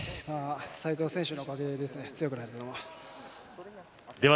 斎藤選手のおかげですね強くなれたのは。